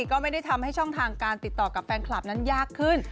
ก็ไม่ได้ทำให้ช่องทางการติดต่อกับแฟนคลับนั้นยากขึ้น